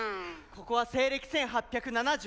ここは西暦１８７４年。